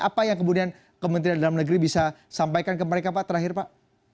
apa yang kemudian kementerian dalam negeri bisa sampaikan ke mereka pak terakhir pak